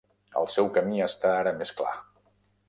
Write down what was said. El seu camí està ara més clar.